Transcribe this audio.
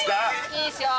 いいですよ。